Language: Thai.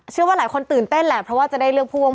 เชื่อว่าหลายคนตื่นเต้นแหละเพราะว่าจะได้เลือกผู้ว่าง